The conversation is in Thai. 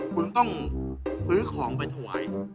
คุณต้องซื้อของไปถวาย